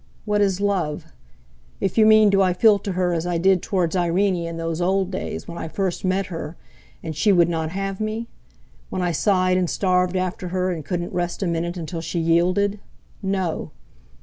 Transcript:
What is love? If you mean do I feel to her as I did towards Irene in those old days when I first met her and she would not have me; when I sighed and starved after her and couldn't rest a minute until she yielded—no!